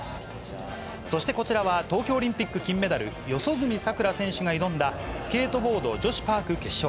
そしてこちらは、東京オリンピック金メダル、四十住さくら選手が挑んだスケートボード女子パーク決勝。